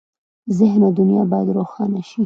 ذهن او دنیا باید روښانه شي.